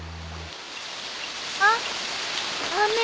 あっ雨。